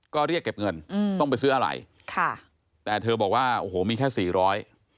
ก็เรียกเก็บเงินอืมต้องไปซื้ออะไรค่ะแต่เธอบอกว่าโอ้โหมีแค่สี่ร้อย